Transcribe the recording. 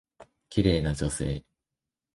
綺麗な女性。